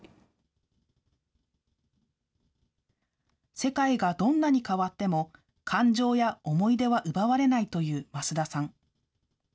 世界がどんなに変わっても、感情や思い出は奪われないという益田さん。